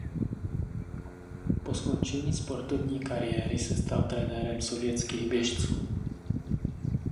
Po skončení sportovní kariéry se stal trenérem sovětských běžců.